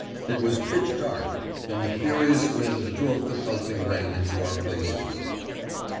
It was pitch dark, and the furious wind drove the pelting rain into our faces.